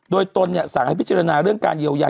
โดยตนสั่งให้พิจารณาเรื่องการเยียวยา